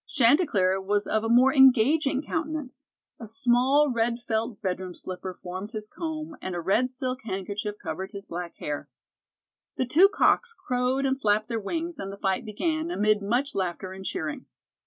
Chantecler was of a more engaging countenance. A small red felt bedroom slipper formed his comb and a red silk handkerchief covered his back hair. The two cocks crowed and flapped their wings and the fight began, amid much laughter and cheering.